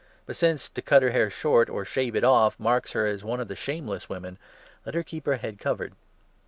But, since to cut her hair short, or shave it off, marks her as one of the shameless women, let her keep her head covered.